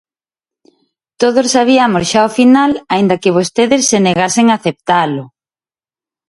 Todos sabiamos xa o final, aínda que vostedes se negasen a aceptalo.